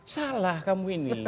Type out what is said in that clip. salah kamu ini